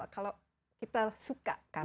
kalau kita suka karyanya